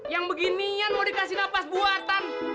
yang beginian mau dikasih nafas buatan